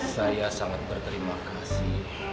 saya sangat berterima kasih